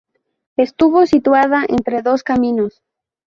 Estuvo situada entre dos caminos.